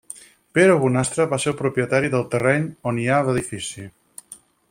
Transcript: Pere Bonastre va ser el propietari del terreny on hi ha l'edifici.